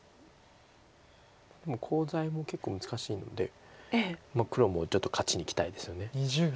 コウ材も結構難しいので黒もちょっと勝ちにいきたいですよね。